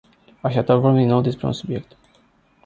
Așadar, vorbim din nou despre acest subiect.